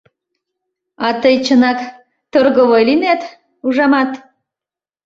А тый чынак торговой лийнет, ужамат.